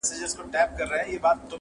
کوم څراغ چي روښنایي له پردو راوړي,